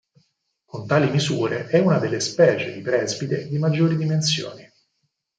Con tali misure, è una delle specie di presbite di maggiori dimensioni.